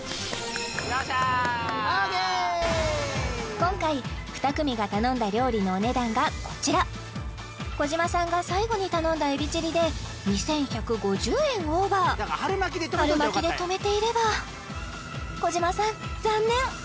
今回２組が頼んだ料理のお値段がこちら児嶋さんが最後に頼んだエビチリで２１５０円オーバー春巻きで止めていれば児嶋さん残念！